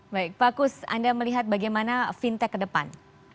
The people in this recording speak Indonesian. baik pak kus anda melihat bagaimana fintech ke depan